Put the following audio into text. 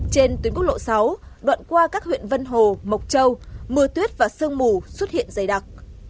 trên tuyến quốc lộ sáu đoạn qua các huyện vân hồ mộc châu mưa tuyết và sương mù xuất hiện dày đặc